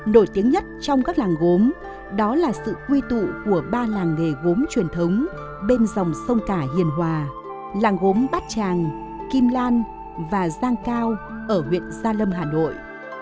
nổi tiếng nhất trong các làng gốm đó là sự quy tụ của ba làng nghề gốm truyền thống bên dòng sông cả hiền hòa làng gốm bát tràng kim lan và giang cao ở huyện gia lâm hà nội